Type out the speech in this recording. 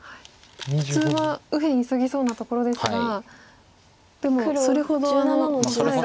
普通は右辺急ぎそうなところですがでもそれほどあのオサエが。